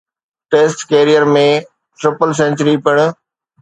test career ۾ triple century پڻ